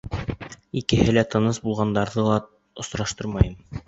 Икеһе лә тыныс булғандарҙы ла осраштырмайым.